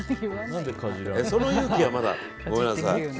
その勇気はまだ、ごめんなさい。